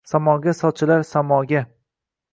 Samoga sochilar, samoga